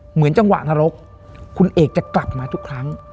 เหมือนจังหวะนรกคุณเอกจะกลับมาทุกครั้ง